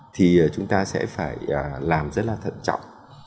thì chúng ta sẽ phải làm rất là thận trọng